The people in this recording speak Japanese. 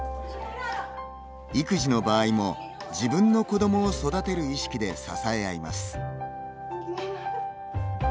育児の場合も、自分の子どもを育てる意識で支え合います。